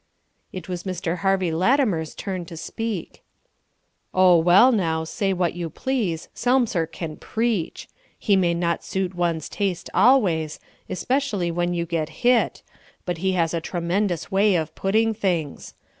It was Mr. Harvey Latimer's turn to speak: "Oh, well now, say what you please, Selmser can preach. He may not suit one's taste always, Especially when you get hit; but he has a tremendous way of putting things.